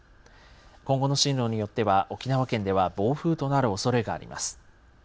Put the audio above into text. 今後の進路によっては沖縄県では暴風となるおそれがあります。